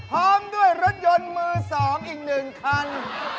พร้อมด้วยรถยนต์มือสองอีกหนึ่งคัน